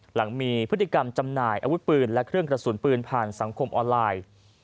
หลังมีพฤติกรรมจำหน่ายอาวุธปืนและเครื่องกระสุนปืนผ่านสังคมออนไลน์